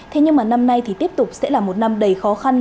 thế nhưng mà năm nay thì tiếp tục sẽ là một năm đầy khó khăn